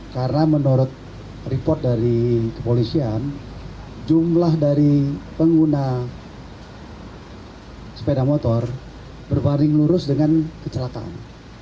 karena menurut report dari kepolisian jumlah dari pengguna sepeda motor berparing lurus dengan kecelakaan